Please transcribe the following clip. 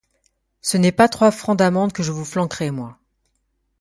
Ce n’est pas trois francs d’amende que je vous flanquerai, moi !